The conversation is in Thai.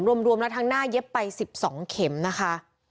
รวมแล้วทั้งหน้าเย็บไป๑๒เข็มนะคะ